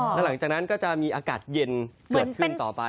แล้วหลังจากนั้นก็จะมีอากาศเย็นเกิดขึ้นต่อไป